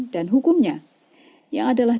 dan hukumnya yang adalah